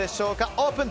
オープン！